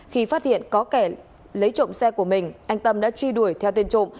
khi phát hiện có kẻ lấy trộm xe của mình anh tâm đã truy đuổi theo tên trộm